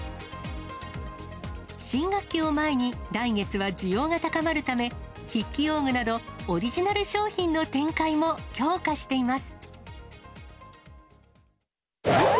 新学期を前に、来月は需要が高まるため、筆記用具など、オリジナル商品の展開も強化しています。